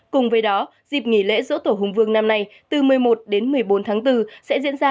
cùng với đó dịp nghỉ lễ dỗ tổ hùng vương năm nay từ một mươi một đến một mươi bốn tháng bốn sẽ diễn ra